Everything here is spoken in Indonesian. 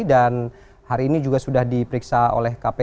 dan hari ini juga sudah diperiksa